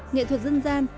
nghệ thuật dân gian